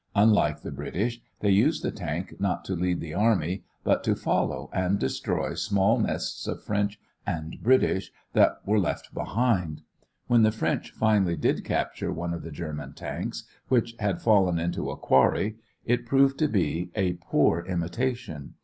Unlike the British, they used the tanks not to lead the army but to follow and destroy small nests of French and British that were left behind. When the French finally did capture one of the German tanks, which had fallen into a quarry, it proved to be a poor imitation.